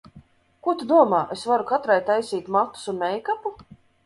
Ko tu domā, es varu katrai taisīt matus un meikapu?